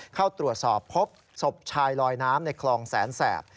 เข้าตรวจสอบพบศพชายลอยน้ำในคลองแสนแสบ